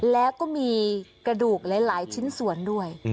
แล้วก็มีกระดูกหลายชิ้นส่วนด้วย